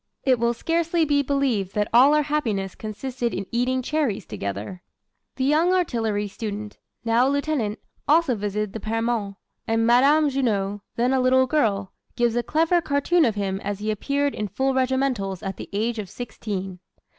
It will scarcely be believed that all our happiness consisted in eating cherries together." The young artillery student now a lieutenant also visited the Permons; and Madame Junot, then a little girl, gives a clever cartoon of him as he appeared in full regimentals at the age of sixteen.